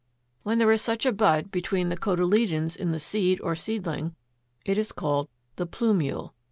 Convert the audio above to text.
When there is such a bud between the cotyledons in the seed or seedling it is called the PLUMULE.